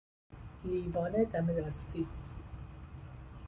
لیوان دم دستی